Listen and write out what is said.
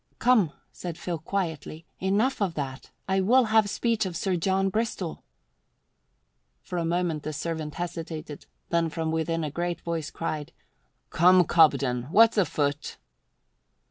"Come," said Phil quietly, "enough of that! I will have speech of Sir John Bristol." For a moment the servant hesitated, then from within a great voice cried, "Come, Cobden, what's afoot?"